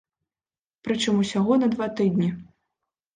Прычым усяго на два тыдні.